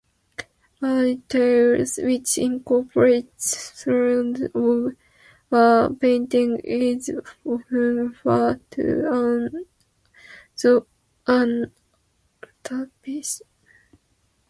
A retable which incorporates sculptures or painting is often referred to as an altarpiece.